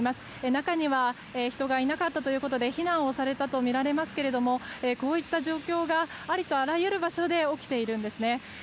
中には人がいなかったということで避難をされたとみられますがこういった状況がありとあらゆる場所で起きているんですね。